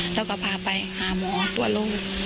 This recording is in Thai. แล้วก็พาไปหาหมอตัวลง